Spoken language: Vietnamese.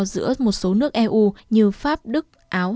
giữa một số nước eu như pháp đức áo